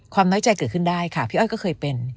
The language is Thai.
น้อยใจเกิดขึ้นได้ค่ะพี่อ้อยก็เคยเป็น